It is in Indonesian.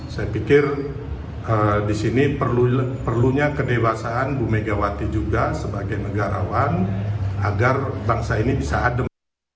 saya pikir di sini perlunya kedewasaan bu megawati juga sebagai negarawan agar bangsa ini bisa adem